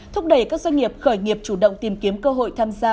thúc đẩy các doanh nghiệp khởi nghiệp chủ động tìm kiếm cơ hội tham gia